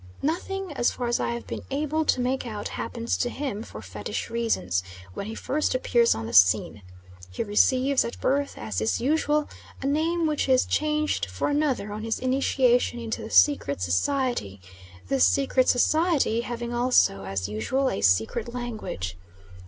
Nothing, as far as I have been able to make out, happens to him, for fetish reasons, when he first appears on the scene. He receives at birth, as is usual, a name which is changed for another on his initiation into the secret society, this secret society having also, as usual, a secret language.